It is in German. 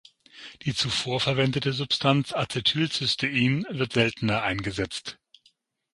Die zuvor verwendete Substanz Acetylcystein wird seltener eingesetzt.